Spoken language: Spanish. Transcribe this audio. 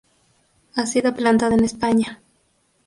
Ha sido plantada en España.